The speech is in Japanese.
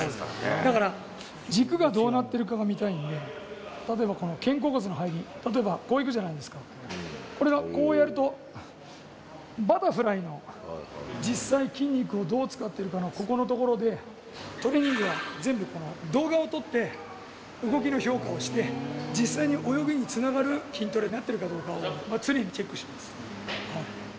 だから、軸がどうなってるかが見たいんで、例えばこの肩甲骨の入り、例えば、こういくじゃないですか、これが、こうやるとバタフライの実際、筋肉をどう使っているかの、ここのところで、トレーニングは全部動画を撮って、動きの評価をして、実際に泳ぎにつながる筋トレになっているかどうかを常にチェックしてます。